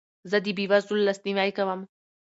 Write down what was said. زه د بې وزلو لاسنیوی کوم.